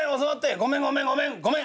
ごめんごめんごめんごめん！